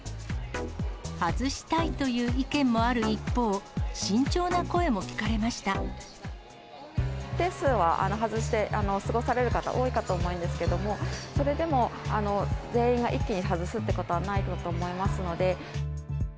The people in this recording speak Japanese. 外したいという意見もある一一定数は外して過ごされる方も多いかと思うんですけれども、それでも全員が一気に外すってことはないと思いますので。